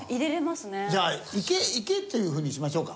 じゃあ池「池」っていう風にしましょうか。